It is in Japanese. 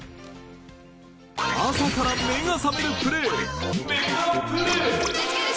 朝から目が覚めるプレーメガプレ。